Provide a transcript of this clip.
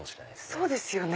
そうですよね。